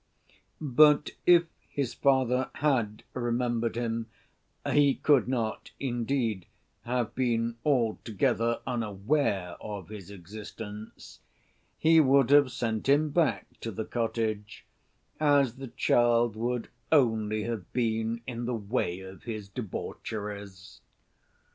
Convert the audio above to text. But if his father had remembered him (he could not, indeed, have been altogether unaware of his existence) he would have sent him back to the cottage, as the child would only have been in the way of his debaucheries.